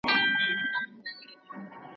ساتل يې زموږ فرض دی.